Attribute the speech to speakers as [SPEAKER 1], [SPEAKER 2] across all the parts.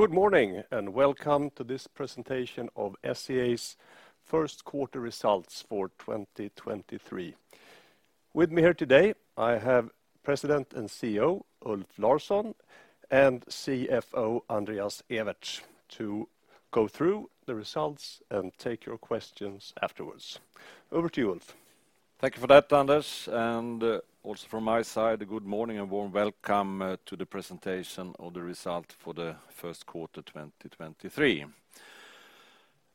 [SPEAKER 1] Good morning. Welcome to this presentation of SCA's first quarter results for 2023. With me here today, I have President and CEO, Ulf Larsson, and CFO, Andreas Ewertz, to go through the results and take your questions afterwards. Over to you, Ulf.
[SPEAKER 2] Thank you for that, Anders, also from my side, good morning and warm welcome to the presentation of the result for the first quarter 2023.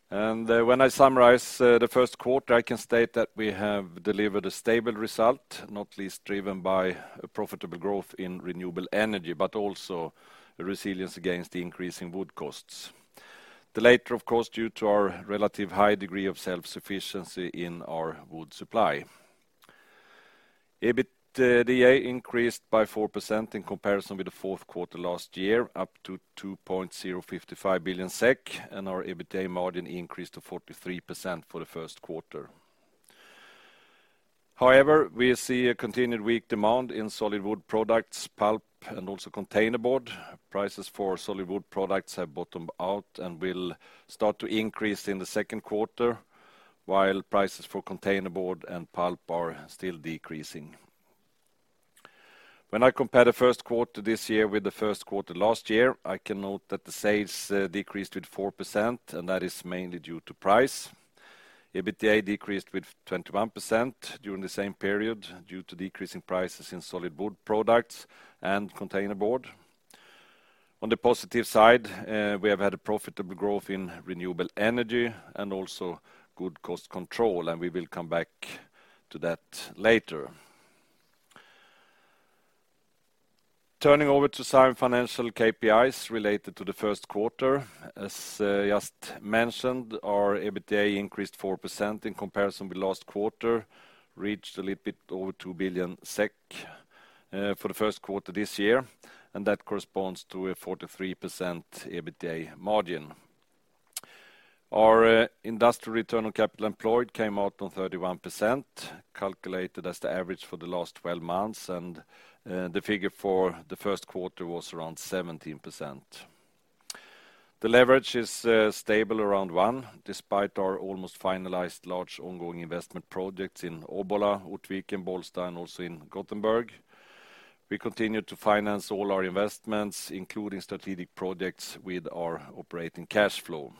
[SPEAKER 2] When I summarize the first quarter, I can state that we have delivered a stable result, not least driven by a profitable growth in renewable energy, but also a resilience against the increase in wood costs. The latter, of course, due to our relative high degree of self-sufficiency in our wood supply. EBITDA increased by 4% in comparison with the fourth quarter last year, up to 2.055 billion SEK, and our EBITDA margin increased to 43% for the first quarter. However, we see a continued weak demand in solid wood products, pulp, and also containerboard. Prices for solid wood products have bottomed out and will start to increase in the second quarter, while prices for containerboard and pulp are still decreasing. When I compare the first quarter this year with the first quarter last year, I can note that the sales decreased with 4%, that is mainly due to price. EBITDA decreased with 21% during the same period due to decreasing prices in solid wood products and containerboard. On the positive side, we have had a profitable growth in renewable energy and also good cost control, we will come back to that later. Turning over to some financial KPIs related to the first quarter. As just mentioned, our EBITDA increased 4% in comparison with last quarter, reached a little bit over 2 billion SEK for the first quarter this year, and that corresponds to a 43% EBITDA margin. Our industrial return on capital employed came out on 31%, calculated as the average for the last 12 months, the figure for the first quarter was around 17%. The leverage is stable around 1, despite our almost finalized large ongoing investment projects in Obbola, Ortviken, and Bollsta, and also in Gothenburg. We continue to finance all our investments, including strategic projects, with our operating cash flow.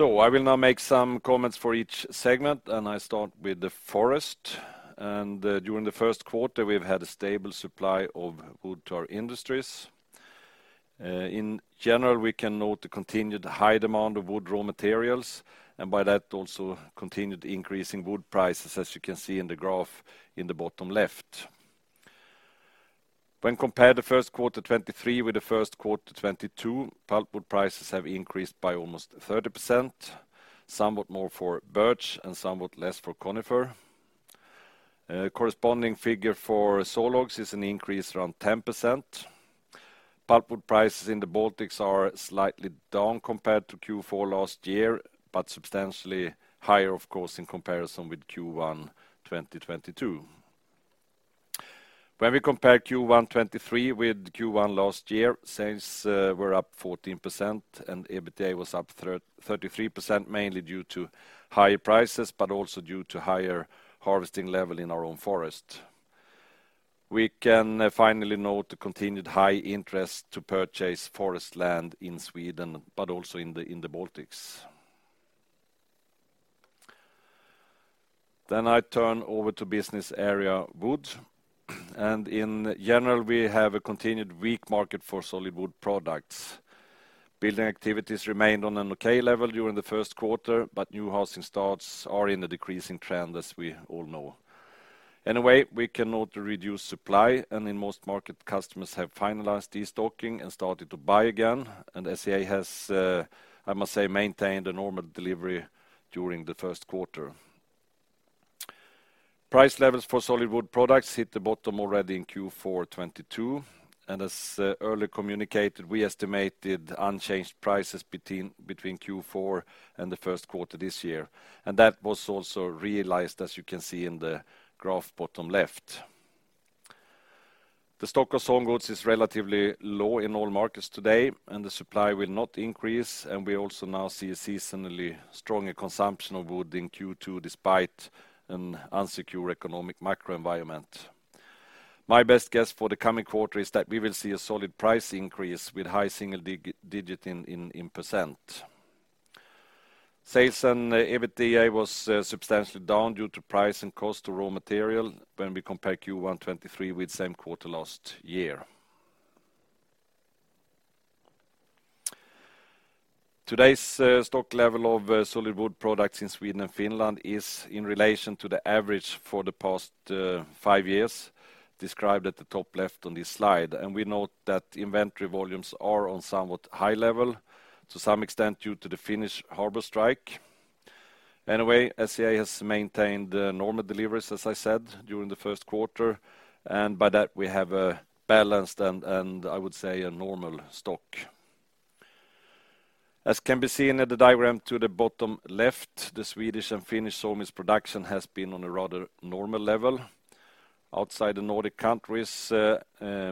[SPEAKER 2] I will now make some comments for each segment, I start with the forest. During the first quarter, we've had a stable supply of wood to our industries. In general, we can note the continued high demand of wood raw materials, and by that, also continued increase in wood prices, as you can see in the graph in the bottom left. When compared to first quarter 2023 with the first quarter 2022, pulpwood prices have increased by almost 30%, somewhat more for birch and somewhat less for conifer. Corresponding figure for sawlogs is an increase around 10%. Pulpwood prices in the Baltics are slightly down compared to Q4 last year, but substantially higher, of course, in comparison with Q1 2022. When we compare Q1 2023 with Q1 last year, sales were up 14% and EBITDA was up 33%, mainly due to higher prices, but also due to higher harvesting level in our own forest. We can finally note the continued high interest to purchase forest land in Sweden, also in the Baltics. I turn over to business area wood. In general, we have a continued weak market for solid wood products. Building activities remained on an okay level during the first quarter, new housing starts are in a decreasing trend, as we all know. Anyway, we can note the reduced supply, in most market, customers have finalized destocking and started to buy again, SCA has, I must say, maintained a normal delivery during the first quarter. Price levels for solid wood products hit the bottom already in Q4 2022, as early communicated, we estimated unchanged prices between Q4 and the first quarter this year, that was also realized, as you can see in the graph bottom left. The stock of sawlogs is relatively low in all markets today, and the supply will not increase, and we also now see a seasonally stronger consumption of wood in Q2, despite an unsecure economic macro environment. My best guess for the coming quarter is that we will see a solid price increase with high single-digit in percent. Sales and EBITDA was substantially down due to price and cost of raw material when we compare Q1 2023 with same quarter last year. Today's stock level of solid wood products in Sweden and Finland is in relation to the average for the past five years, described at the top left on this slide. We note that inventory volumes are on somewhat high level to some extent due to the Finnish port strike. SCA has maintained normal deliveries, as I said, during the first quarter, and by that we have a balanced and I would say a normal stock. As can be seen at the diagram to the bottom left, the Swedish and Finnish sawmills production has been on a rather normal level. Outside the Nordic countries,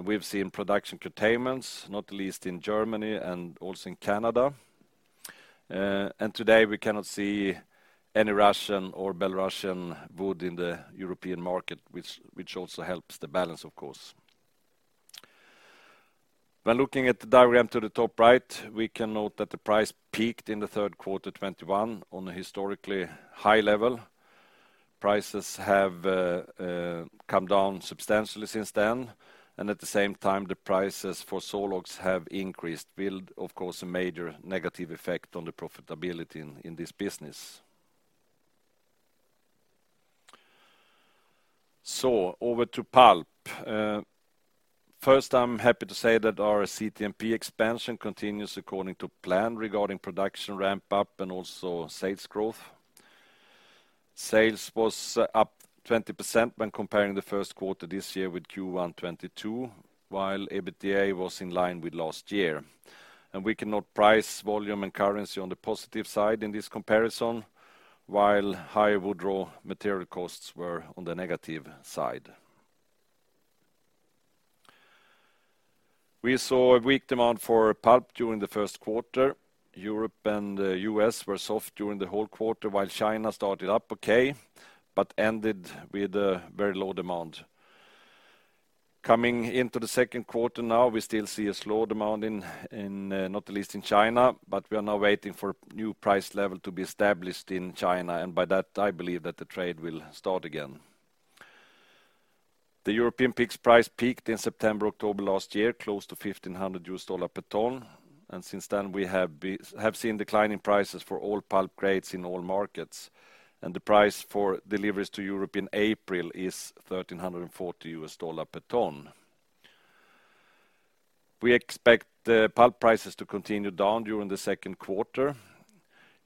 [SPEAKER 2] we've seen production curtailments, not least in Germany and also in Canada. Today we cannot see any Russian or Belarusian wood in the European market, which also helps the balance, of course. When looking at the diagram to the top right, we can note that the price peaked in the third quarter 2021 on a historically high level. Prices have come down substantially since then, and at the same time, the prices for sawlogs have increased, build, of course, a major negative effect on the profitability in this business. Over to pulp. First, I'm happy to say that our CTMP expansion continues according to plan regarding production ramp-up and also sales growth. Sales was up 20% when comparing the first quarter this year with Q1 2022, while EBITDA was in line with last year. We cannot price volume and currency on the positive side in this comparison, while high wood raw material costs were on the negative side. We saw a weak demand for pulp during the first quarter. Europe and U.S. were soft during the whole quarter while China started up okay, but ended with a very low demand. Coming into the second quarter now, we still see a slow demand in, not the least in China, but we are now waiting for new price level to be established in China. By that, I believe that the trade will start again. The European peaks price peaked in September, October last year, close to $1,500 per ton. Since then, we have seen declining prices for all pulp grades in all markets. The price for deliveries to Europe in April is $1,340 per ton. We expect the pulp prices to continue down during the second quarter.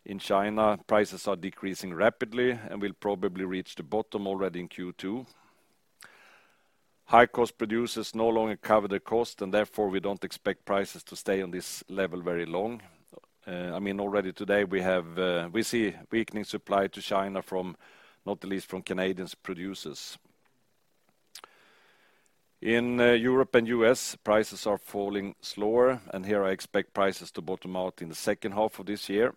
[SPEAKER 2] In China, prices are decreasing rapidly, and will probably reach the bottom already in Q2. High-cost producers no longer cover the cost, and therefore we don't expect prices to stay on this level very long. I mean, already today we have, we see weakening supply to China from, not the least from Canadian producers. In Europe and U.S., prices are falling slower, and here I expect prices to bottom out in the second half of this year.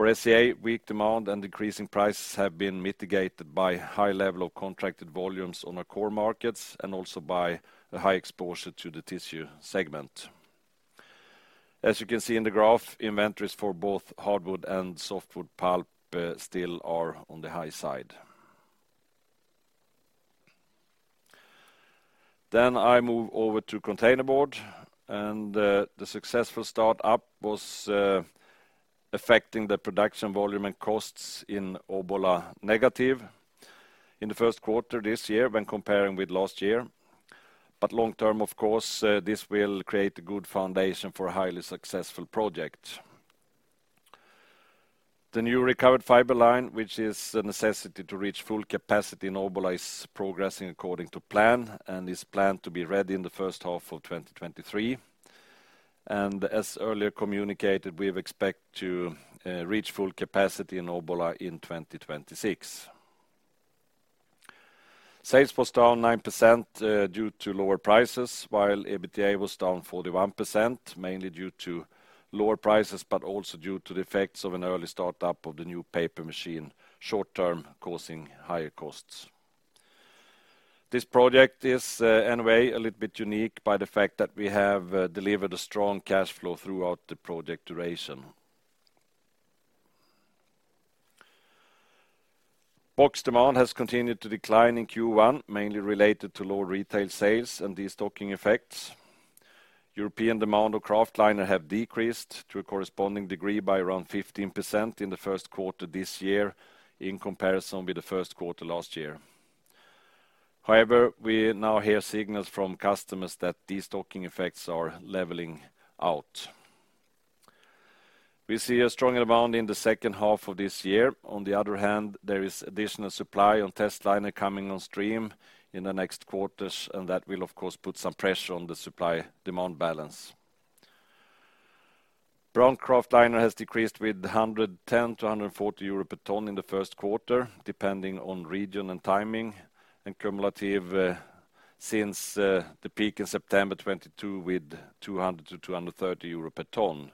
[SPEAKER 2] For SCA, weak demand and decreasing prices have been mitigated by high level of contracted volumes on our core markets and also by a high exposure to the tissue segment. As you can see in the graph, inventories for both hardwood and softwood pulp, still are on the high side. I move over to containerboard, and the successful start-up was affecting the production volume and costs in Obbola negative in the first quarter this year when comparing with last year. Long term, of course, this will create a good foundation for a highly successful project. The new recovered fiber line, which is a necessity to reach full capacity in Obbola is progressing according to plan, is planned to be ready in the first half of 2023. As earlier communicated, we expect to reach full capacity in Obbola in 2026. Sales was down 9% due to lower prices, while EBITDA was down 41%, mainly due to lower prices, but also due to the effects of an early start-up of the new paper machine, short term, causing higher costs. This project is, anyway, a little bit unique by the fact that we have delivered a strong cash flow throughout the project duration. Box demand has continued to decline in Q1, mainly related to lower retail sales and destocking effects. European demand of kraftliner have decreased to a corresponding degree by around 15% in the first quarter this year in comparison with the first quarter last year. We now hear signals from customers that destocking effects are leveling out. We see a stronger demand in the second half of this year. There is additional supply on testliner coming on stream in the next quarters, and that will of course put some pressure on the supply-demand balance. Brown kraftliner has decreased with 110-140 euro per ton in the first quarter, depending on region and timing, and cumulative since the peak in September 2022 with 200-230 euro per ton.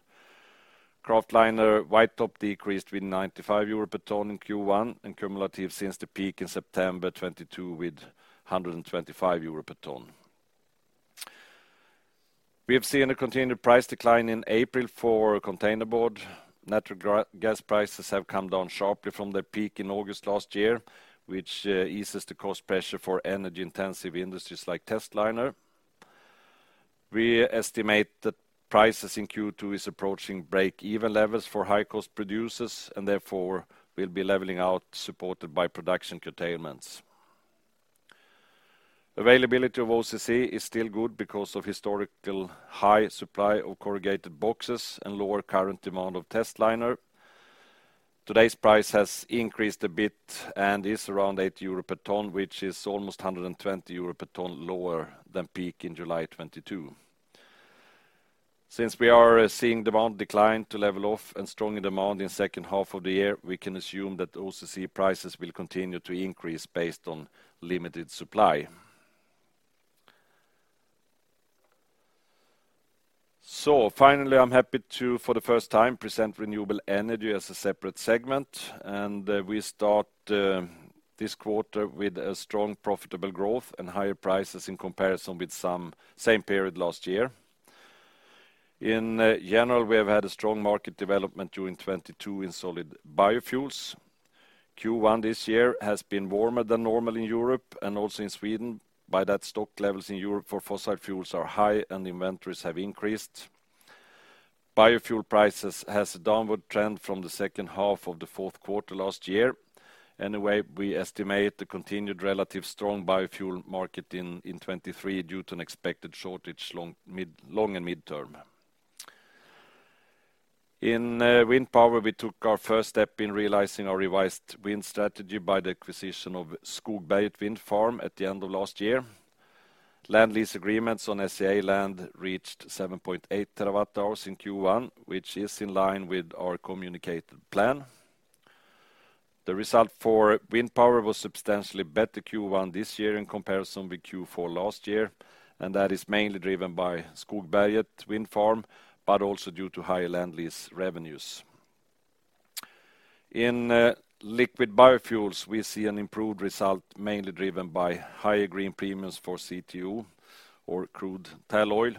[SPEAKER 2] Kraftliner white top decreased with 95 euro per ton in Q1, and cumulative since the peak in September 2022 with 125 euro per ton. We have seen a continued price decline in April for containerboard. Natural gas prices have come down sharply from their peak in August last year, which eases the cost pressure for energy-intensive industries like testliner. We estimate that prices in Q2 is approaching break-even levels for high-cost producers, and therefore will be leveling out, supported by production curtailments. Availability of OCC is still good because of historical high supply of corrugated boxes and lower current demand of testliner. Today's price has increased a bit and is around 8 euro per ton, which is almost 120 euro per ton lower than peak in July 2022. We are seeing demand decline to level off and stronger demand in second half of the year, we can assume that OCC prices will continue to increase based on limited supply. Finally, I'm happy to, for the first time, present renewable energy as a separate segment, and we start this quarter with a strong profitable growth and higher prices in comparison with some same period last year. In general, we have had a strong market development during 2022 in solid biofuels. Q1 this year has been warmer than normal in Europe and also in Sweden, by that stock levels in Europe for fossil fuels are high and inventories have increased. Biofuel prices has a downward trend from the second half of the fourth quarter last year. We estimate the continued relative strong biofuel market in 2023 due to an expected shortage long and midterm. Wind power, we took our first step in realizing our revised wind strategy by the acquisition of Skogberget Wind Farm at the end of last year. Land lease agreements on SCA land reached 7.8 TWh in Q1, which is in line with our communicated plan. The result for wind power was substantially better Q1 this year in comparison with Q4 last year. That is mainly driven by Skogberget Wind Farm, but also due to higher land lease revenues. In liquid biofuels, we see an improved result mainly driven by higher green premiums for CTO or crude tall oil.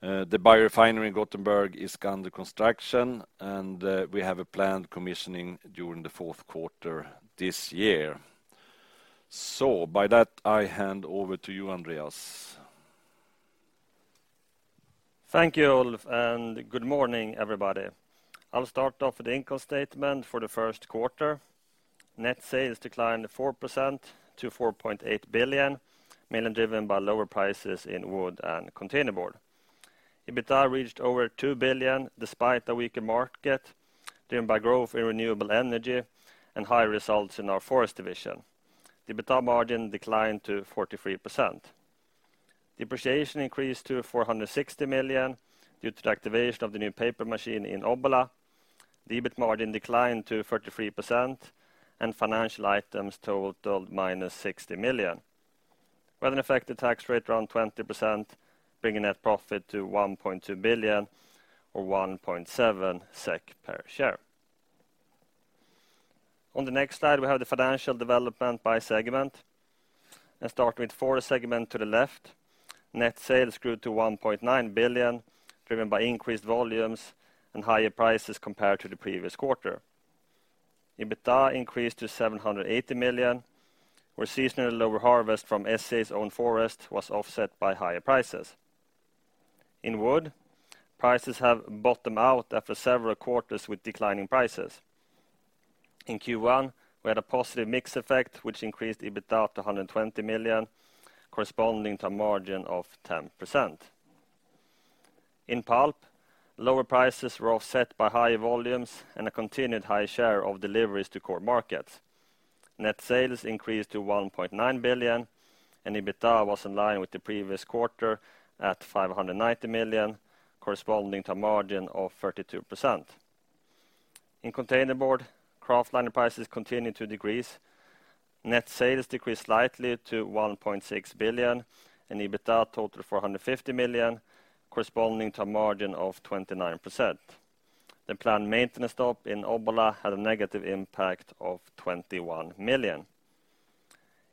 [SPEAKER 2] The biorefinery in Gothenburg is under construction, and we have a planned commissioning during the fourth quarter this year. By that, I hand over to you, Andreas.
[SPEAKER 3] Thank you, Ulf. Good morning, everybody. I'll start off with the income statement for the first quarter. Net sales declined 4% to 4.8 billion, mainly driven by lower prices in wood and containerboard. EBITDA reached over 2 billion despite a weaker market driven by growth in renewable energy and high results in our forest division. EBITDA margin declined to 43%. Depreciation increased to 460 million due to the activation of the new paper machine in Obbola. The EBIT margin declined to 33%, and financial items totaled -60 million. We had an effective tax rate around 20%, bringing net profit to 1.2 billion or 1.7 SEK per share. On the next slide, we have the financial development by segment. Starting with forest segment to the left, net sales grew to 1.9 billion, driven by increased volumes and higher prices compared to the previous quarter. EBITDA increased to 780 million, where seasonal lower harvest from SCA's own forest was offset by higher prices. In wood, prices have bottomed out after several quarters with declining prices. In Q1, we had a positive mix effect which increased EBITDA to 120 million, corresponding to a margin of 10%. In pulp, lower prices were offset by higher volumes and a continued high share of deliveries to core markets. Net sales increased to 1.9 billion, and EBITDA was in line with the previous quarter at 590 million, corresponding to a margin of 32%. In containerboard, kraftliner prices continued to decrease. Net sales decreased slightly to 1.6 billion, EBITDA totaled 450 million, corresponding to a margin of 29%. The planned maintenance stop in Obbola had a negative impact of 21 million.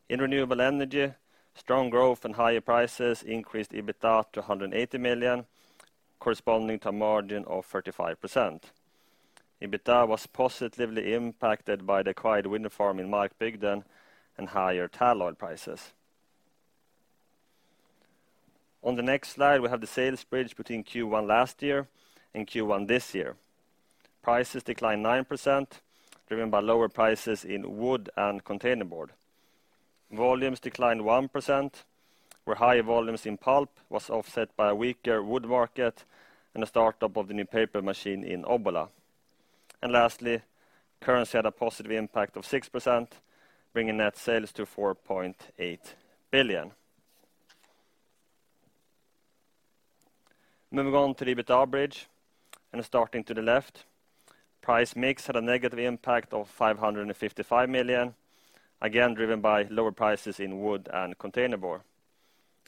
[SPEAKER 3] In renewable energy, strong growth and higher prices increased EBITDA to 180 million, corresponding to a margin of 35%. EBITDA was positively impacted by the acquired wind farm in Markbygden and higher tall oil prices. On the next slide, we have the sales bridge between Q1 last year and Q1 this year. Prices declined 9%, driven by lower prices in wood and containerboard. Volumes declined 1%, where higher volumes in pulp was offset by a weaker wood market and the startup of the new paper machine in Obbola. Lastly, currency had a positive impact of 6%, bringing net sales to 4.8 billion. Moving on to the EBITDA bridge, starting to the left, price mix had a negative impact of 555 million, again driven by lower prices in wood and containerboard.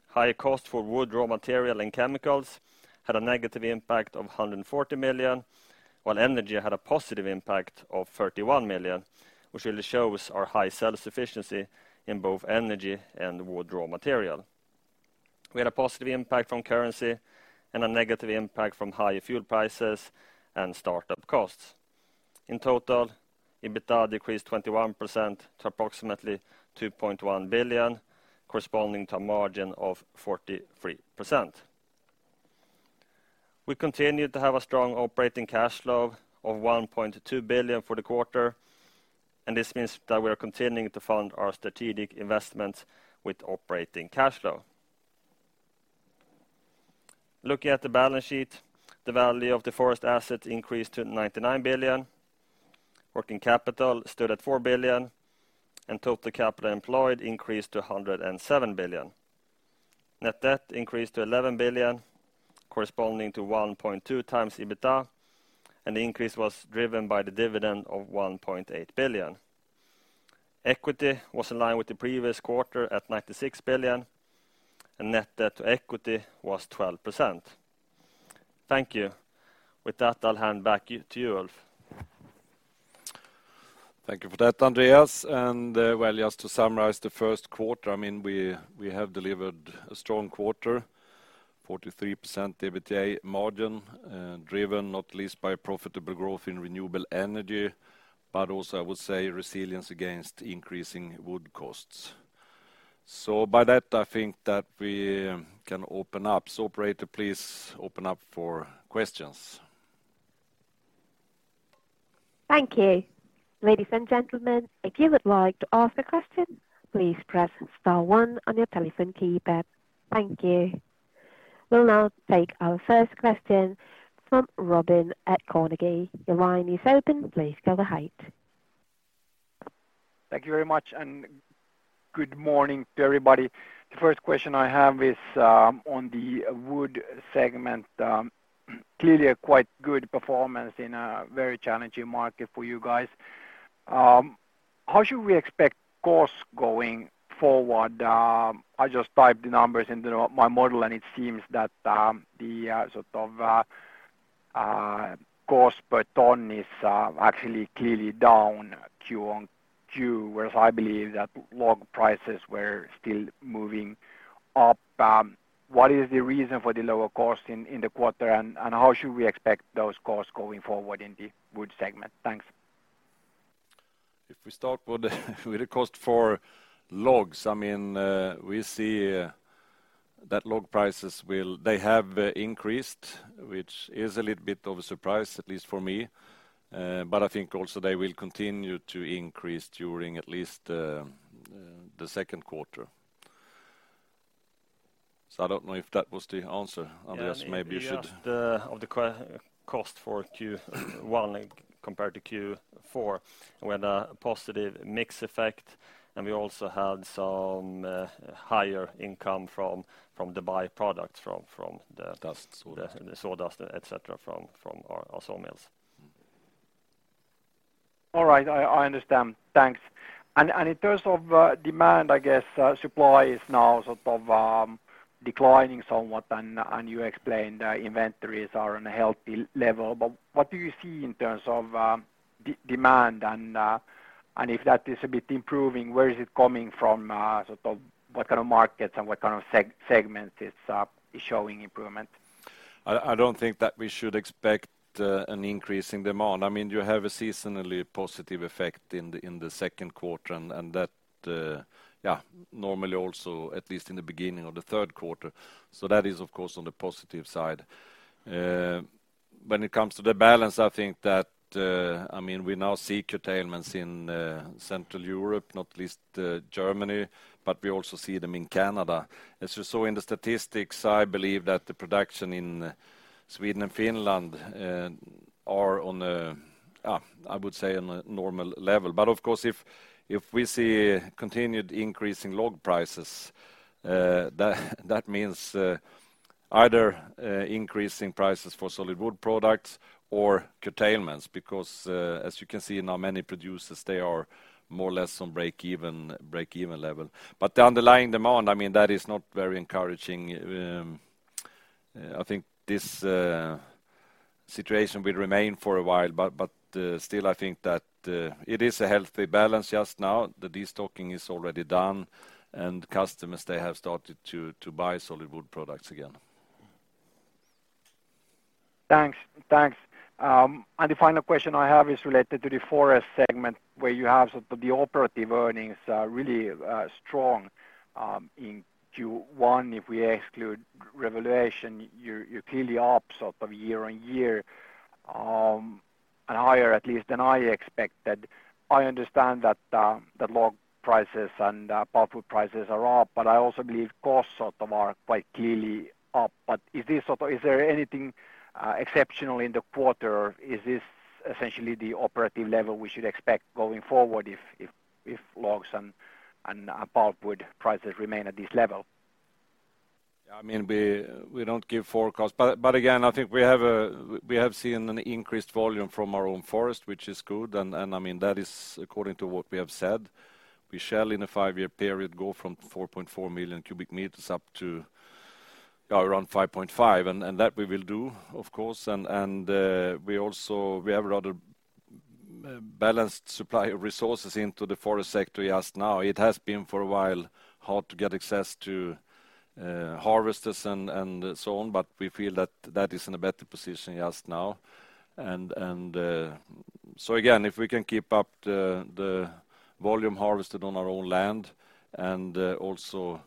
[SPEAKER 3] Higher cost for wood, raw material, and chemicals had a negative impact of 140 million, while energy had a positive impact of 31 million, which really shows our high self-sufficiency in both energy and wood raw material. We had a positive impact from currency and a negative impact from higher fuel prices and startup costs. In total, EBITDA decreased 21% to approximately 2.1 billion, corresponding to a margin of 43%. We continued to have a strong operating cash flow of 1.2 billion for the quarter. This means that we are continuing to fund our strategic investments with operating cash flow. Looking at the balance sheet, the value of the forest assets increased to 99 billion. Working capital stood at 4 billion. Total capital employed increased to 107 billion. Net debt increased to 11 billion, corresponding to 1.2x EBITDA. The increase was driven by the dividend of 1.8 billion. Equity was in line with the previous quarter at 96 billion. Net debt to equity was 12%. Thank you. With that, I'll hand back to you, Ulf.
[SPEAKER 2] Thank you for that, Andreas. Well, just to summarize the first quarter, I mean, we have delivered a strong quarter, 43% EBITDA margin, driven not least by profitable growth in renewable energy, but also, I would say, resilience against increasing wood costs. By that, I think that we can open up. Operator, please open up for questions.
[SPEAKER 1] Thank you. Ladies and gentlemen, if you would like to ask a question, please press star one on your telephone keypad. Thank you. We will now take our first question from Robin at Carnegie. Your line is open. Please go ahead.
[SPEAKER 4] Thank you very much, good morning to everybody. The first question I have is on the wood segment. Clearly a quite good performance in a very challenging market for you guys. How should we expect costs going forward? I just typed the numbers into my model, and it seems that the sort of cost per ton is actually clearly down Q-on-Q, whereas I believe that log prices were still moving up. What is the reason for the lower cost in the quarter, and how should we expect those costs going forward in the wood segment? Thanks.
[SPEAKER 2] If we start with the cost for logs, I mean, we see that log prices have increased, which is a little bit of a surprise, at least for me. I think also they will continue to increase during at least the second quarter. I don't know if that was the answer. Andreas, maybe you should-
[SPEAKER 3] Yeah. If you add the cost for Q1 compared to Q4, we had a positive mix effect. We also had some higher income from the byproducts.
[SPEAKER 2] Dust, sawdust.
[SPEAKER 3] The sawdust, et cetera, from our sawmills.
[SPEAKER 4] All right. I understand. Thanks. In terms of demand, I guess, supply is now sort of declining somewhat, You explained inventories are on a healthy level. What do you see in terms of demand? If that is a bit improving, where is it coming from? Sort of what kind of markets and what kind of segments it's showing improvement?
[SPEAKER 2] I don't think that we should expect an increase in demand. I mean, you have a seasonally positive effect in the second quarter and that normally also at least in the beginning of the third quarter. That is, of course, on the positive side. When it comes to the balance, I think that, I mean, we now see curtailments in Central Europe, not least Germany, but we also see them in Canada. As you saw in the statistics, I believe that the production in Sweden and Finland are on a, I would say, on a normal level. Of course, if we see continued increase in log prices, that means either increase in prices for solid wood products or curtailments because as you can see now, many producers they are more or less on break-even level. The underlying demand, I mean, that is not very encouraging. I think this situation will remain for a while, but still I think that it is a healthy balance just now. The destocking is already done, and customers, they have started to buy solid wood products again.
[SPEAKER 4] Thanks. Thanks. The final question I have is related to the forest segment where you have sort of the operative earnings are really strong in Q1. If we exclude revaluation, you're clearly up sort of year-on-year and higher at least than I expected. I understand that log prices and pulpwood prices are up, but I also believe costs sort of are quite clearly up. Is this sort of anything exceptional in the quarter or is this essentially the operative level we should expect going forward if logs and pulpwood prices remain at this level?
[SPEAKER 2] Yeah. I mean, we don't give forecasts, but again, I think we have seen an increased volume from our own forest, which is good, and I mean, that is according to what we have said. We shall in a five-year period go from 4.4 million cu m up to around 5.5, and that we will do, of course, and we also, we have a rather balanced supply of resources into the forest sector just now. It has been for a while hard to get access to harvesters and so on, but we feel that that is in a better position just now. Again, if we can keep up the volume harvested on our own land and also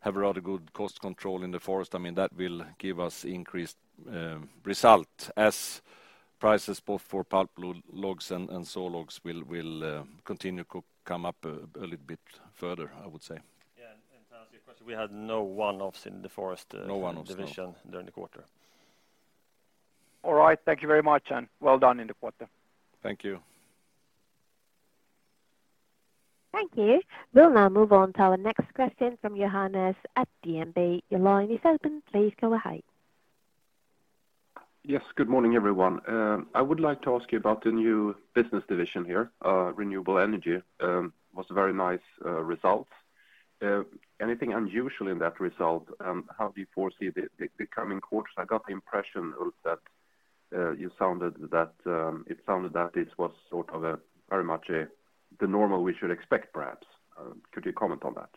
[SPEAKER 2] have rather good cost control in the forest, I mean, that will give us increased result as prices both for pulpwood logs and sawlogs will continue come up a little bit further, I would say.
[SPEAKER 3] Yeah. To answer your question, we had no one-offs in the forest-
[SPEAKER 2] No one-offs, no....
[SPEAKER 3] division during the quarter.
[SPEAKER 4] All right. Thank you very much, and well done in the quarter.
[SPEAKER 2] Thank you.
[SPEAKER 1] Thank you. We'll now move on to our next question from Johannes at DNB. Your line is open. Please go ahead.
[SPEAKER 5] Yes, good morning, everyone. I would like to ask you about the new business division here. Renewable energy was very nice results. Anything unusual in that result? How do you foresee the coming quarters? I got the impression, Ulf, that you sounded that it sounded that this was sort of a, very much, the normal we should expect perhaps. Could you comment on that?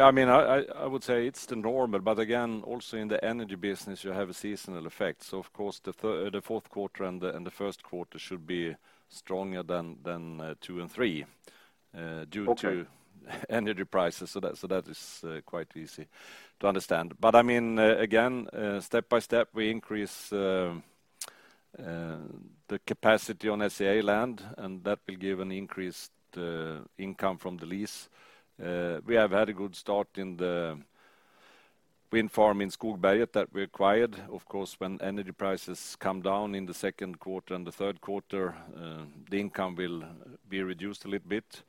[SPEAKER 2] I mean, I would say it's the normal, again, also in the energy business you have a seasonal effect. Of course the fourth quarter and the first quarter should be stronger than two and three-
[SPEAKER 5] Okay....
[SPEAKER 2] due to energy prices. That is quite easy to understand. I mean, again, step by step, we increase the capacity on SCA land, and that will give an increased income from the lease. We have had a good start in the wind farm in Skogberget that we acquired. Of course, when energy prices come down in the second quarter and the third quarter, the income will be reduced a little bit.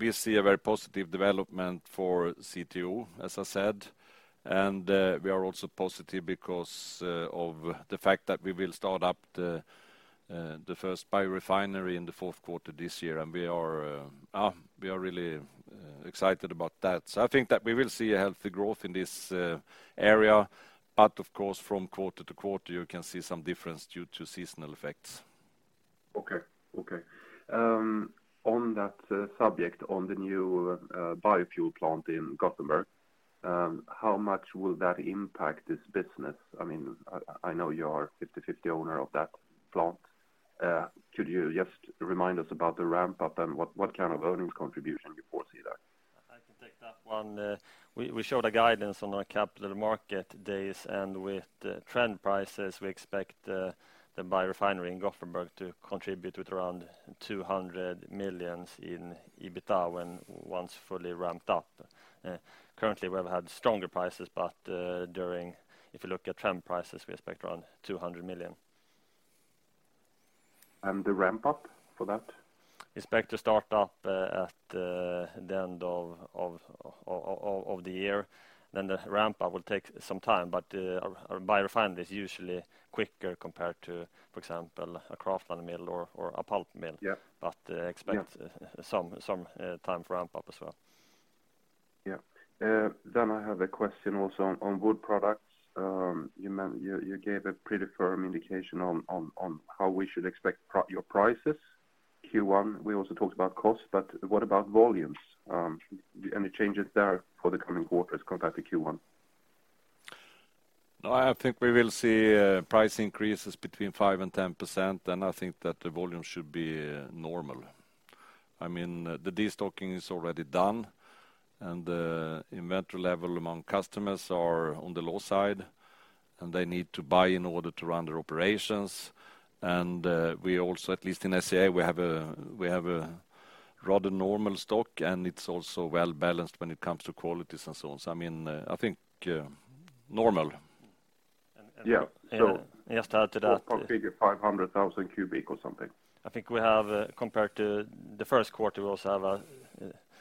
[SPEAKER 2] We see a very positive development for CTO, as I said. We are also positive because of the fact that we will start up the first biorefinery in the fourth quarter this year, and we are really excited about that. I think that we will see a healthy growth in this area, but of course from quarter to quarter you can see some difference due to seasonal effects.
[SPEAKER 5] Okay. Okay. On that subject, on the new biorefinery in Gothenburg, how much will that impact this business? I mean, I know you are 50/50 owner of that plant. Could you just remind us about the ramp-up and what kind of earnings contribution you foresee there?
[SPEAKER 3] I can take that one. We showed a guidance on our capital market days, and with the trend prices, we expect the biorefinery in Gothenburg to contribute with around 200 million in EBITDA when once fully ramped up. Currently we have had stronger prices, but during, if you look at trend prices, we expect around 200 million.
[SPEAKER 5] The ramp-up for that?
[SPEAKER 3] Expect to start up at the end of the year, then the ramp-up will take some time. A biorefinery is usually quicker compared to, for example, a kraftliner mill or a pulp mill.
[SPEAKER 5] Yeah.
[SPEAKER 3] But, uh, expect-
[SPEAKER 5] Yeah....
[SPEAKER 3] some time for ramp-up as well.
[SPEAKER 5] Yeah. I have a question also on wood products. You gave a pretty firm indication on how we should expect your prices, Q1. We also talked about costs, but what about volumes? Any changes there for the coming quarters compared to Q1?
[SPEAKER 2] I think we will see price increases between 5% and 10%, and I think that the volume should be normal. I mean, the de-stocking is already done, and the inventory level among customers are on the low side, and they need to buy in order to run their operations. We also, at least in SCA, we have a rather normal stock, and it's also well-balanced when it comes to qualities and so on. I mean, I think normal.
[SPEAKER 5] Yeah.
[SPEAKER 3] Just to add to that-
[SPEAKER 2] Roughly 500,000 cu or something....
[SPEAKER 3] I think we have, compared to the first quarter, we also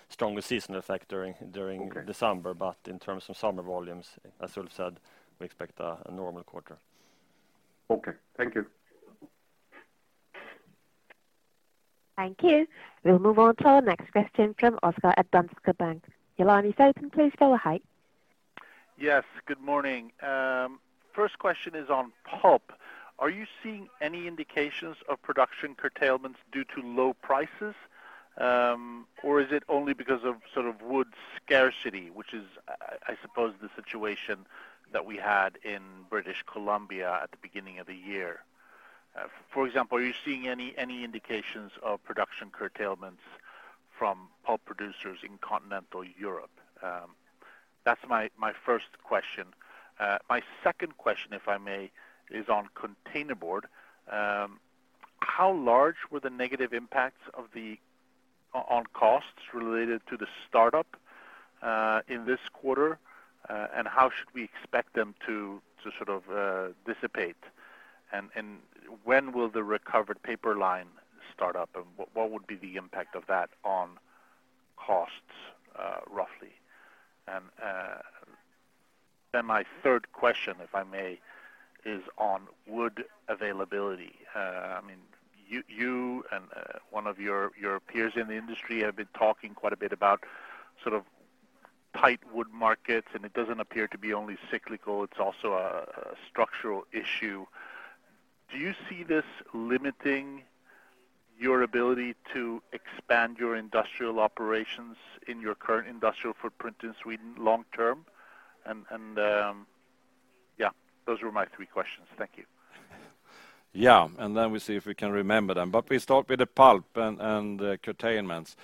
[SPEAKER 3] have a stronger seasonal effect during-
[SPEAKER 5] Okay....
[SPEAKER 3] December. In terms of summer volumes, as Ulf said, we expect a normal quarter.
[SPEAKER 5] Okay. Thank you.
[SPEAKER 1] Thank you. We'll move on to our next question from Oskar at Danske Bank. Your line is open. Please go ahead.
[SPEAKER 6] Yes, good morning. First question is on pulp. Are you seeing any indications of production curtailments due to low prices? Or is it only because of sort of wood scarcity, which is, I suppose the situation that we had in British Columbia at the beginning of the year. For example, are you seeing any indications of production curtailments from pulp producers in continental Europe? That's my first question. My second question, if I may, is on containerboard. How large were the negative impacts on costs related to the startup, in this quarter? And how should we expect them to sort of, dissipate? When will the recovered paper line start up, and what would be the impact of that on costs, roughly? My third question, if I may, is on wood availability. I mean, you and one of your peers in the industry have been talking quite a bit about sort of tight wood markets, and it doesn't appear to be only cyclical, it's also a structural issue. Do you see this limiting your ability to expand your industrial operations in your current industrial footprint in Sweden long term? Those were my three questions. Thank you.
[SPEAKER 2] We see, if we can remember them, but we start with the pulp and curtailments.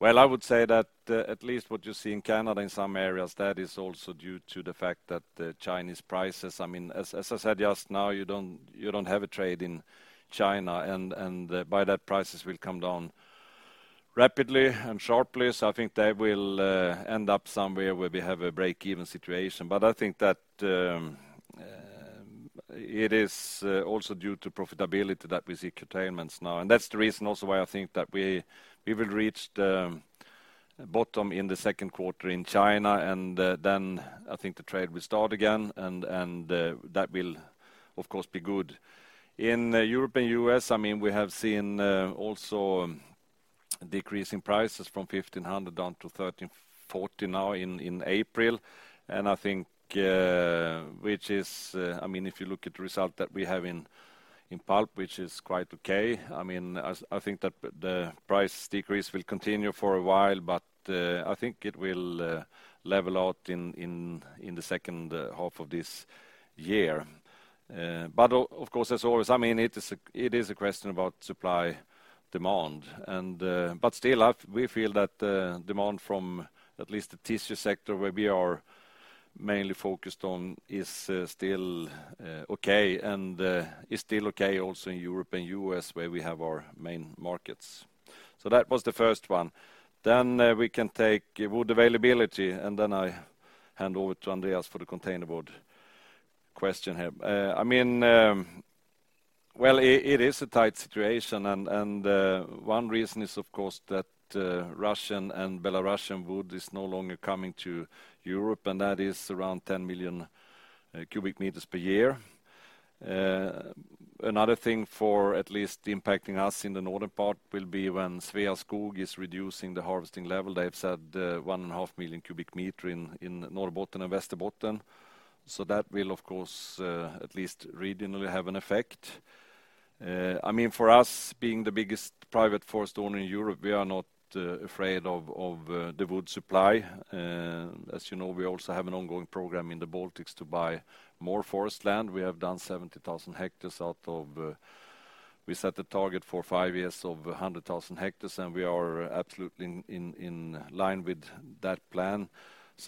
[SPEAKER 2] I would say that, at least what you see in Canada in some areas, that is also due to the fact that the Chinese prices, I mean, as I said just now, you don't have a trade in China and by that prices will come down. Rapidly and sharply. I think that will end up somewhere where we have a break-even situation. I think that it is also due to profitability that we see curtailments now, and that's the reason also why I think that we will reach the bottom in the second quarter in China. I think the trade will start again, and that will, of course, be good. In Europe and U.S., I mean, we have seen also decreasing prices from $1,500 down to $1,340 now in April. I think, which is, I mean, if you look at the result that we have in Pulp, which is quite okay, I mean, I think that the price decrease will continue for a while, but I think it will level out in the second half of this year. Of course, as always, I mean, it is a question about supply demand, and but still, we feel that the demand from at least the tissue sector where we are mainly focused on is still okay, and is still okay also in Europe and U.S., where we have our main markets. That was the first one. We can take wood availability, and then I hand over to Andreas for the containerboard question here. I mean, well, it is a tight situation and one reason is, of course, that Russian and Belarusian wood is no longer coming to Europe, and that is around 10 million cu m per year. Another thing for at least impacting us in the northern part will be when Sveaskog is reducing the harvesting level. They've said 1.5 million cu m in Norrbotten and Västerbotten. That will, of course, at least regionally, have an effect. I mean, for us, being the biggest private forest owner in Europe, we are not afraid of the wood supply. As you know, we also have an ongoing program in the Baltics to buy more forest land. We have done 70,000 hectares out of, we set a target for five years of 100,000 hectares, and we are absolutely in line with that plan.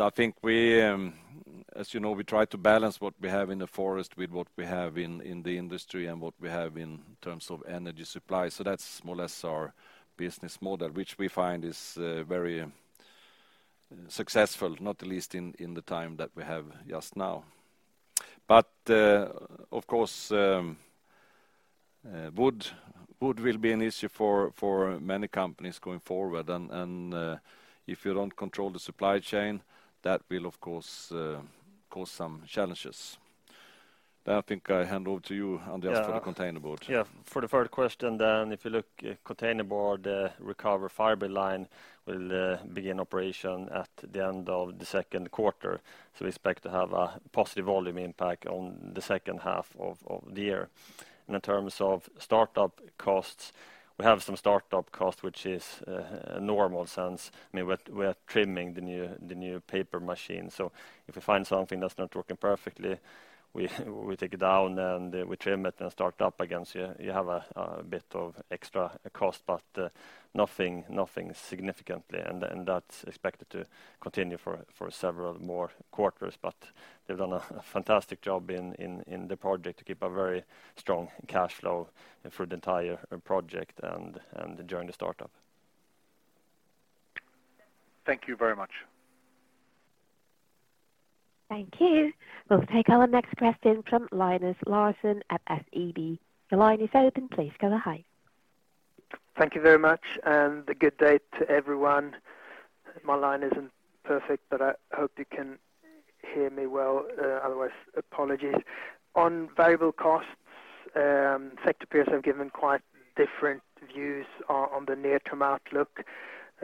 [SPEAKER 2] I think we, as you know, we try to balance what we have in the forest with what we have in the industry and what we have in terms of energy supply. That's more or less our business model, which we find is very successful, not at least in the time that we have just now. Of course, wood will be an issue for many companies going forward. If you don't control the supply chain, that will, of course, cause some challenges. I think I hand over to you, Andreas, for the containerboard.
[SPEAKER 3] For the first question, if you look at containerboard, recovered fiber line will begin operation at the end of the second quarter. We expect to have a positive volume impact on the second half of the year. In terms of startup costs, we have some startup cost, which is normal since, I mean, we're trimming the new paper machine. If we find something that's not working perfectly, we take it down, and we trim it and start up again. You have a bit of extra cost, but nothing significantly. That's expected to continue for several more quarters. They've done a fantastic job in the project to keep a very strong cash flow for the entire project and during the startup.
[SPEAKER 5] Thank you very much.
[SPEAKER 1] Thank you. We'll take our next question from Linus Larsson at SEB. The line is open. Please go ahead.
[SPEAKER 7] Thank you very much, and a good day to everyone. My line isn't perfect, but I hope you can hear me well. Otherwise, apologies. On variable costs, sector peers have given quite different views on the near-term outlook.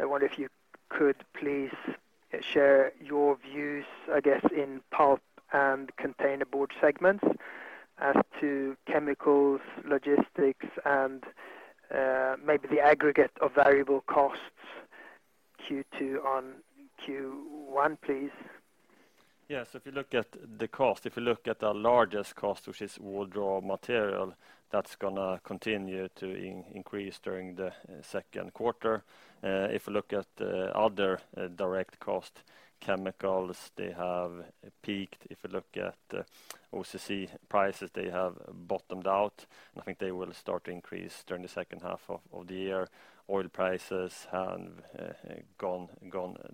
[SPEAKER 7] I wonder if you could please share your views, I guess, in pulp and container board segments as to chemicals, logistics, and, maybe the aggregate of variable costs Q2 on Q1, please.
[SPEAKER 3] Yeah. If you look at the cost, if you look at our largest cost, which is wood raw material, that's gonna continue to increase during the second quarter. If you look at other direct cost chemicals, they have peaked. If you look at OCC prices, they have bottomed out, and I think they will start to increase during the second half of the year. Oil prices have gone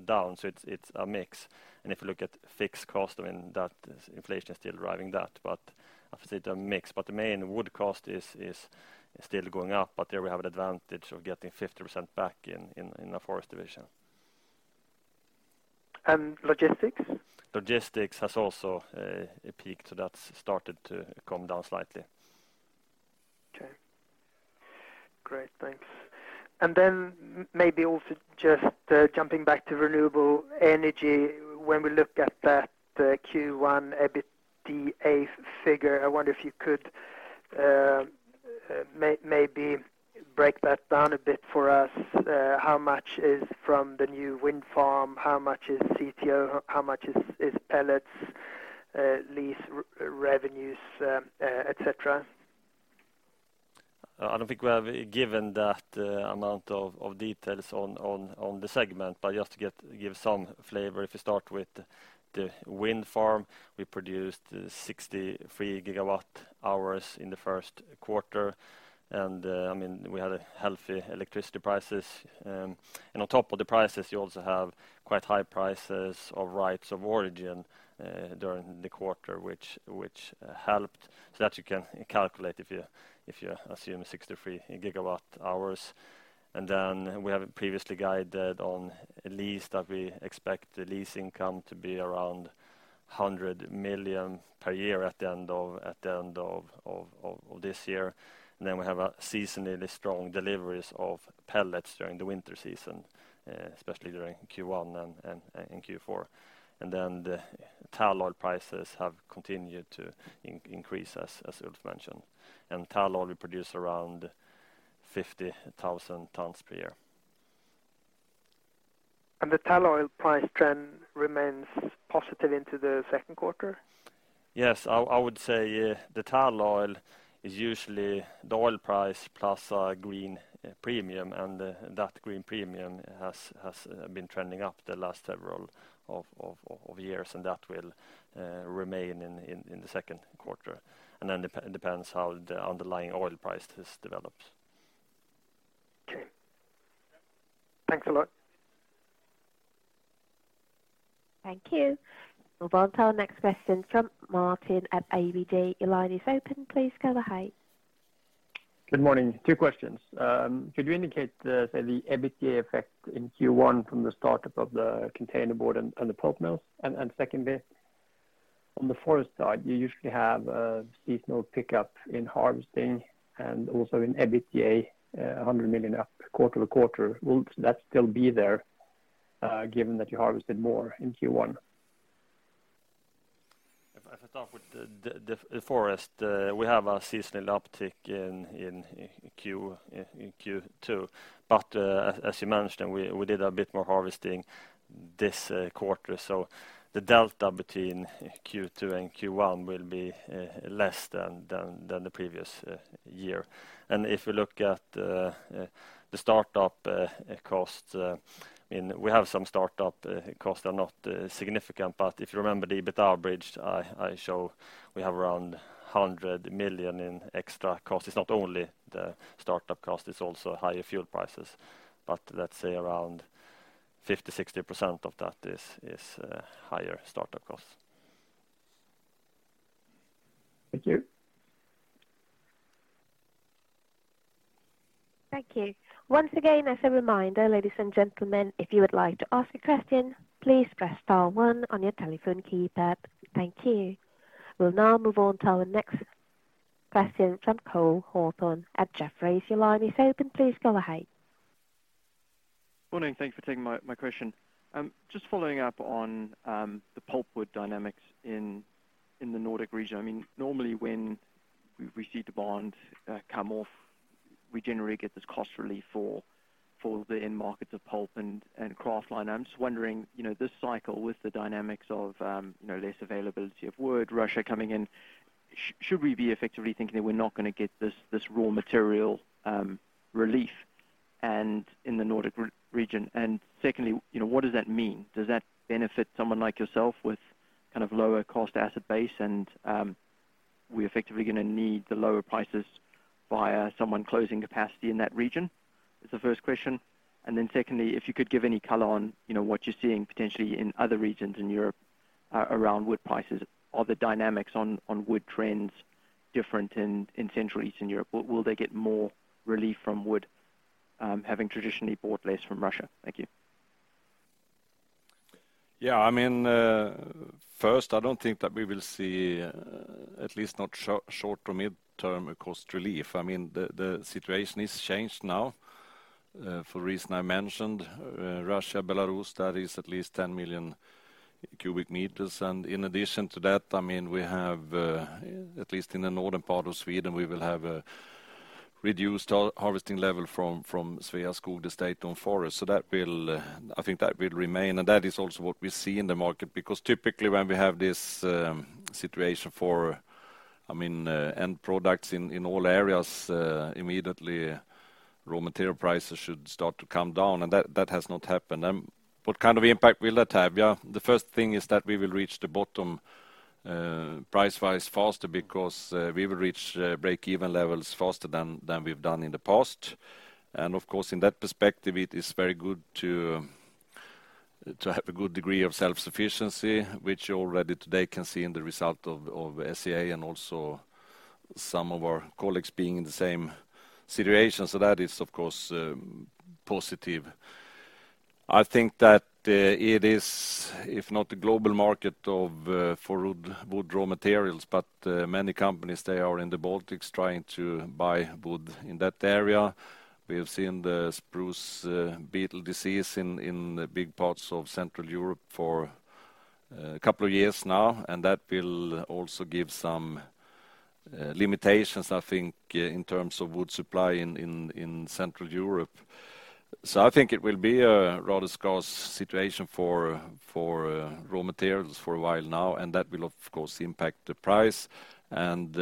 [SPEAKER 3] down, it's a mix. If you look at fixed cost, I mean, that inflation is still driving that. I would say they're mixed. The main wood cost is still going up, but there we have an advantage of getting 50% back in the forest division.
[SPEAKER 7] Logistics?
[SPEAKER 3] Logistics has also peaked, so that's started to come down slightly.
[SPEAKER 7] Okay. Great. Thanks. Then maybe also just jumping back to renewable energy, when we look at that Q1 EBITDA figure, I wonder if you could maybe break that down a bit for us. How much is from the new wind farm? How much is CTO? How much is pellets, lease revenues, et cetera?
[SPEAKER 3] I don't think we have given that amount of details on the segment. Just to give some flavor, if you start with the wind farm, we produced 63 GWh in the first quarter. I mean, we had a healthy electricity prices, and on top of the prices, you also have quite high prices of guarantees of origin during the quarter which helped so that you can calculate if you assume 63 GWh. We have previously guided on lease that we expect the lease income to be around 100 million per year at the end of this year. We have a seasonally strong deliveries of pellets during the winter season, especially during Q1 and Q4. The tall oil prices have continued to increase, as Ulf mentioned. Tall oil, we produce around 50,000 tons per year.
[SPEAKER 7] The tall oil price trend remains positive into the second quarter?
[SPEAKER 3] Yes. I would say, the tall oil is usually the oil price plus a green premium, and that green premium has been trending up the last several of years, and that will remain in the second quarter. Then depends how the underlying oil price has developed.
[SPEAKER 7] Okay. Thanks a lot.
[SPEAKER 1] Thank you. Move on to our next question from Martin at ABG. Your line is open. Please go ahead.
[SPEAKER 8] Good morning. Two questions. Could you indicate the EBITDA effect in Q1 from the startup of the containerboard and the pulp mills? Secondly, on the forest side, you usually have a seasonal pickup in harvesting and also in EBITDA, 100 million up quarter-over-quarter. Will that still be there, given that you harvested more in Q1?
[SPEAKER 3] If I start with the forest, we have a seasonal uptick in Q2. As you mentioned, we did a bit more harvesting this quarter. The delta between Q2 and Q1 will be less than the previous year. If you look at the startup cost, I mean, we have some startup costs are not significant, but if you remember the EBITDA bridge I show, we have around 100 million in extra cost. It's not only the startup cost, it's also higher fuel prices, but let's say around 50%-60% of that is higher startup costs.
[SPEAKER 8] Thank you.
[SPEAKER 1] Thank you. Once again, as a reminder, ladies and gentlemen, if you would like to ask a question, please press star one on your telephone keypad. Thank you. We'll now move on to our next question from Cole Hathorn at Jefferies. Your line is open. Please go ahead.
[SPEAKER 9] Morning. Thanks for taking my question. Just following up on the pulpwood dynamics in the Nordic region. I mean, normally when we see the bond come off, we generally get this cost relief for the end markets of pulp and kraftliner. I'm just wondering, you know, this cycle with the dynamics of, you know, less availability of wood, Russia coming in, should we be effectively thinking that we're not gonna get this raw material relief in the Nordic region? Secondly, you know, what does that mean? Does that benefit someone like yourself with kind of lower cost asset base and we're effectively gonna need the lower prices via someone closing capacity in that region? Is the first question. Secondly, if you could give any color on, you know, what you're seeing potentially in other regions in Europe around wood prices. Are the dynamics on wood trends different in central Eastern Europe? Will they get more relief from wood, having traditionally bought less from Russia? Thank you.
[SPEAKER 2] I mean, first, I don't think that we will see, at least not short to mid-term cost relief. I mean, the situation is changed now, for reason I mentioned, Russia, Belarus, that is at least 10 million cu m. In addition to that, I mean, we have at least in the northern part of Sweden, we will have a reduced harvesting level from Sveaskog, the state-owned forest. That will, I think that will remain. That is also what we see in the market because typically when we have this situation for, I mean, end products in all areas, immediately raw material prices should start to come down, and that has not happened. What kind of impact will that have? The first thing is that we will reach the bottom, price-wise faster because we will reach break-even levels faster than we've done in the past. Of course, in that perspective, it is very good to have a good degree of self-sufficiency, which already today can see in the result of SCA and also some of our colleagues being in the same situation. That is, of course, positive. I think that it is, if not the global market of for wood raw materials, but many companies, they are in the Baltics trying to buy wood in that area. We have seen the spruce beetle disease in big parts of Central Europe for a couple of years now. That will also give some limitations, I think, in terms of wood supply in Central Europe. I think it will be a rather scarce situation for raw materials for a while now. That will, of course, impact the price, and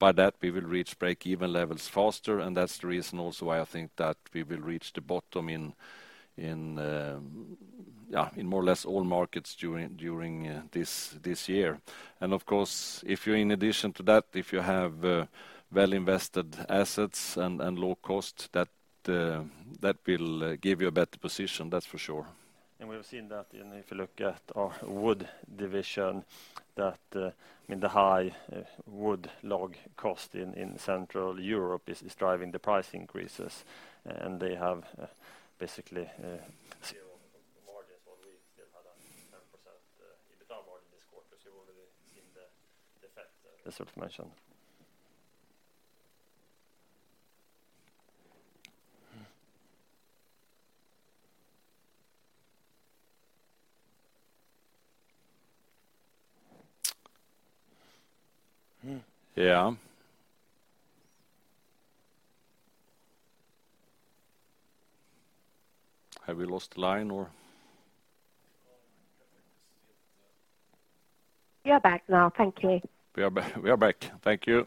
[SPEAKER 2] by that we will reach break-even levels faster. That's the reason also why I think that we will reach the bottom in more or less all markets during this year. Of course, if you're in addition to that, if you have well-invested assets and low cost, that will give you a better position, that's for sure.
[SPEAKER 3] We have seen that in, if you look at our wood division, that the high wood log cost in Central Europe is driving the price increases. They have basically zero margins while we still had a 10% EBITDA margin this quarter. We're already seeing the effect, as Ulf mentioned.
[SPEAKER 2] Yeah. Have we lost the line or?
[SPEAKER 1] We are back now. Thank you.
[SPEAKER 2] We are back. We are back. Thank you.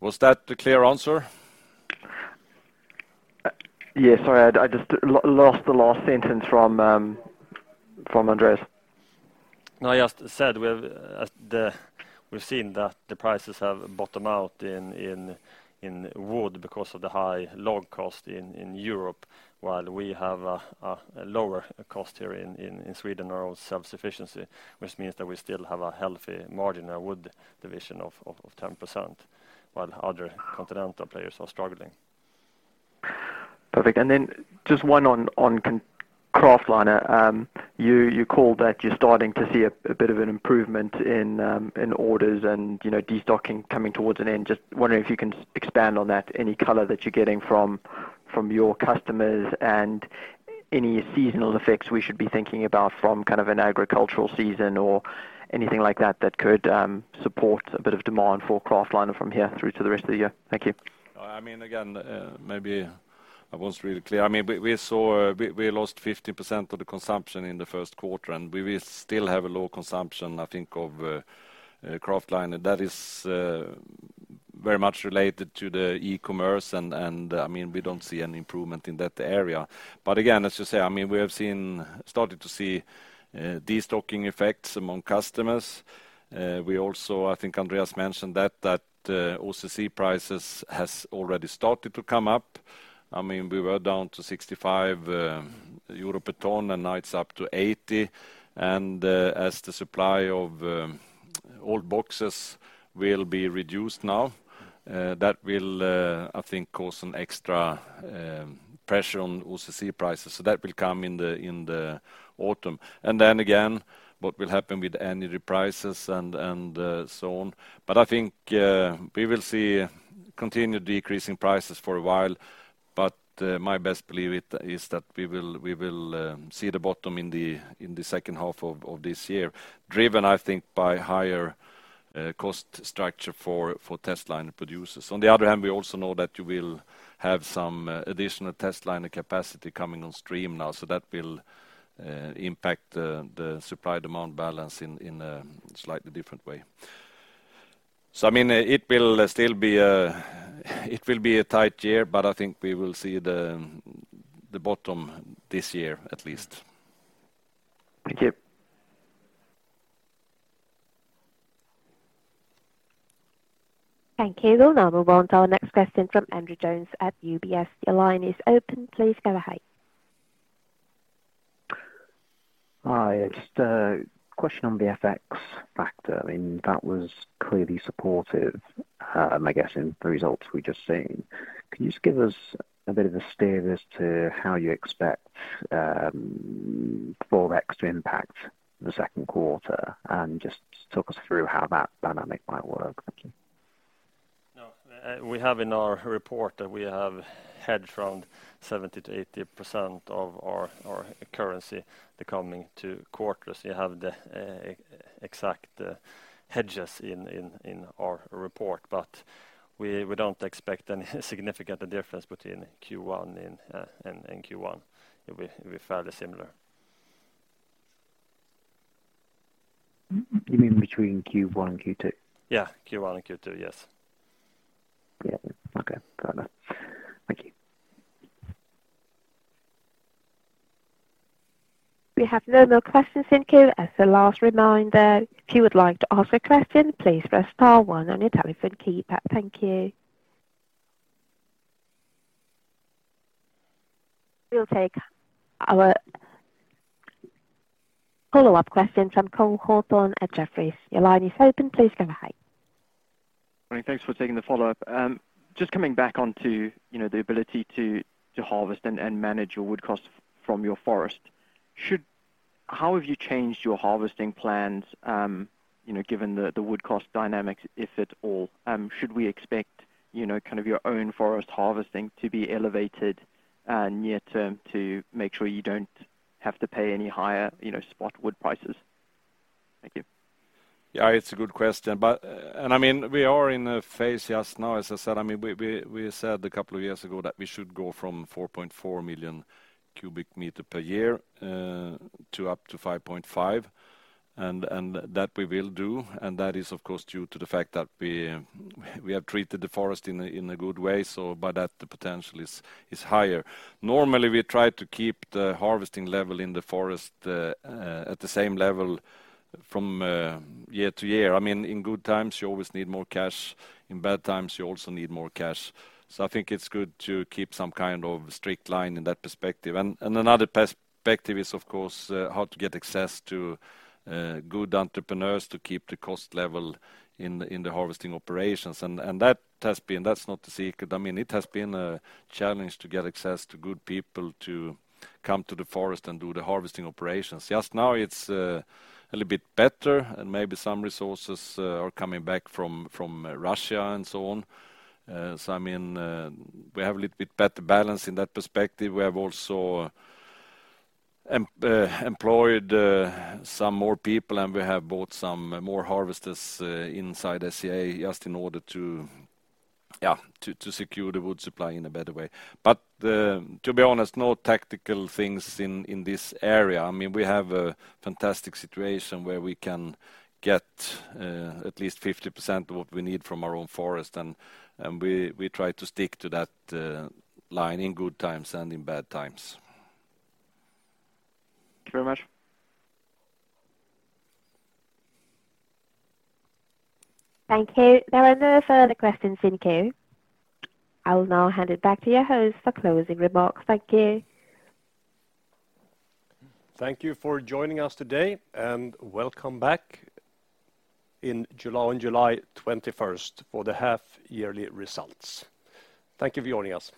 [SPEAKER 2] Was that the clear answer?
[SPEAKER 9] Yes. Sorry, I just lost the last sentence from Andreas.
[SPEAKER 3] No, I just said we've seen that the prices have bottomed out in wood because of the high log cost in Europe while we have a lower cost here in Sweden, our own self-sufficiency, which means that we still have a healthy margin, our wood division of 10%, while other continental players are struggling.
[SPEAKER 9] Perfect. Just one on kraftliner. You called that you're starting to see a bit of an improvement in orders and, you know, destocking coming towards an end. Just wondering if you can expand on that, any color that you're getting from your customers and any seasonal effects we should be thinking about from kind of an agricultural season or anything like that that could support a bit of demand for kraftliner from here through to the rest of the year? Thank you.
[SPEAKER 2] I mean, again, maybe I wasn't really clear. I mean, we lost 50% of the consumption in the first quarter. We will still have a low consumption, I think, of kraftliner. That is very much related to the e-commerce and, I mean, we don't see any improvement in that area. Again, as you say, I mean, we have started to see destocking effects among customers. We also, I think Andreas mentioned that OCC prices has already started to come up. I mean, we were down to 65 euro per ton, and now it's up to 80. As the supply of old boxes will be reduced now, that will, I think, cause some extra pressure on OCC prices. That will come in the autumn. Then again, what will happen with energy prices and so on. I think, we will see continued decreasing prices for a while, but, my best belief it, is that we will see the bottom in the second half of this year, driven, I think, by higher cost structure for testliner producers. On the other hand, we also know that you will have some additional testliner capacity coming on stream now, so that will impact the supply-demand balance in a slightly different way. I mean, it will still be a tight year, but I think we will see the bottom this year at least.
[SPEAKER 9] Thank you.
[SPEAKER 1] Thank you. We'll now move on to our next question from Andrew Jones at UBS. Your line is open. Please go ahead.
[SPEAKER 10] Hi. Just a question on the FX factor. I mean, that was clearly supportive, I guess in the results we've just seen. Can you just give us a bit of a steer as to how you expect, ForEx to impact the second quarter, and just talk us through how that dynamic might work? Thank you.
[SPEAKER 3] No. We have in our report that we have hedged around 70%-80% of our currency the coming two quarters. You have the exact hedges in our report, but we don't expect any significant difference between Q1 and Q1. It'll be fairly similar.
[SPEAKER 10] You mean between Q1 and Q2?
[SPEAKER 3] Yeah. Q1 and Q2. Yes.
[SPEAKER 10] Yeah. Okay. Got that. Thank you.
[SPEAKER 1] We have no more questions in queue. As the last reminder, if you would like to ask a question, please press star one on your telephone keypad. Thank you. We'll take our follow-up question from Cole Hathorn at Jefferies. Your line is open. Please go ahead.
[SPEAKER 9] Morning. Thanks for taking the follow-up. Just coming back onto, you know, the ability to harvest and manage your wood costs from your forest, how have you changed your harvesting plans, you know, given the wood cost dynamics, if at all? Should we expect, you know, kind of your own forest harvesting to be elevated near term to make sure you don't have to pay any higher, you know, spot wood prices? Thank you.
[SPEAKER 2] It's a good question. I mean, we are in a phase just now, as I said, we said a couple of years ago that we should go from 4.4 million cu m per year to up to 5.5, and that we will do, and that is of course due to the fact that we have treated the forest in a good way, so by that the potential is higher. Normally, we try to keep the harvesting level in the forest at the same level from year to year. I mean, in good times, you always need more cash. In bad times, you also need more cash. I think it's good to keep some kind of strict line in that perspective. Another perspective is of course, how to get access to good entrepreneurs to keep the cost level in the harvesting operations. That's not a secret. I mean, it has been a challenge to get access to good people to come to the forest and do the harvesting operations. Just now it's a little bit better, and maybe some resources are coming back from Russia and so on. I mean, we have a little bit better balance in that perspective. We have also employed some more people, and we have bought some more harvesters inside SCA just in order to, yeah, to secure the wood supply in a better way. To be honest, no tactical things in this area. I mean, we have a fantastic situation where we can get, at least 50% of what we need from our own forest, and we try to stick to that line in good times and in bad times.
[SPEAKER 9] Thank you very much.
[SPEAKER 1] Thank you. There are no further questions in queue. I will now hand it back to your host for closing remarks. Thank you.
[SPEAKER 2] Thank you for joining us today, and welcome back in July, on July 21st for the half-yearly results. Thank you for joining us.